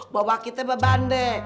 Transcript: bahwa kita bebande